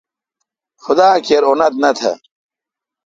خدا اکیر اونتھ نہ تھ۔